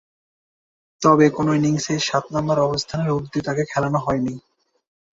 তবে, কোন ইনিংসেই সাত নম্বর অবস্থানের ঊর্ধ্বে তাকে খেলানো হয়নি।